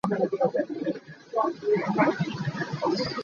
Nihin cu Zarhpini a si.